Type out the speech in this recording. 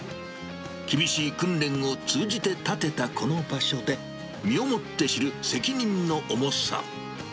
厳しい訓練を通じて立てたこの場所で、身をもって知る責任の重さ。